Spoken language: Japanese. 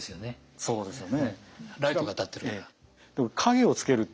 そうですね。